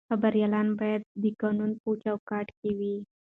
خبریالان باید د قانون په چوکاټ کې وي.